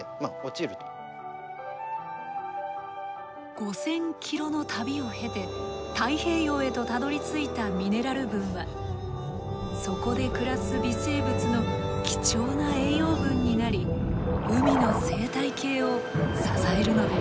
５，０００ｋｍの旅を経て太平洋へとたどりついたミネラル分はそこで暮らす微生物の貴重な栄養分になり海の生態系を支えるのです。